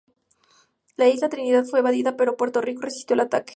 La isla de Trinidad fue invadida pero Puerto Rico resistió el ataque.